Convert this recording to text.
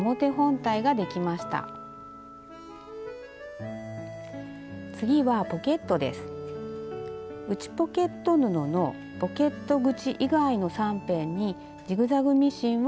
内ポケット布のポケット口以外の３辺にジグザグミシンをかけておきます。